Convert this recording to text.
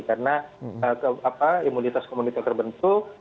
karena imunitas komunitas terbentuk